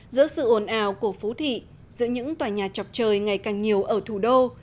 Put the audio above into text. giữa sự ồn ào của phú thị giữa những tòa nhà chọc trời ngày càng nhiều ở thủ đô